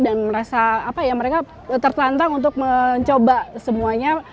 dan merasa mereka tertelantang untuk mencoba semuanya